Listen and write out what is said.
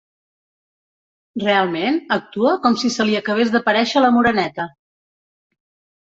Realment actua com si se li acabés d'aparèixer la Moreneta.